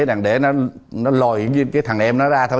để nó lòi cái thằng em nó ra thôi